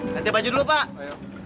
nanti baju dulu pak